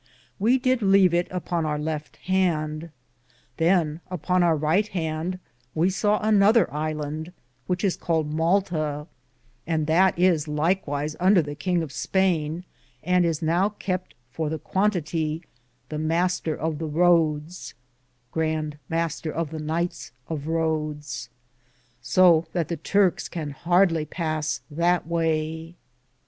We did leave it upon our lefte hand. Than, upon our ryghte hande, we saw another ilande, which is caled Malta, and that is likewyse under the kinge of Spayne, and is now kept for the quan tati {sic) the Master of the Roodes,^ so that the Turkes can hardly pass that waye.